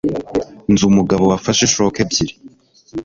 Nzi umugabo wafashe ishoka ebyiri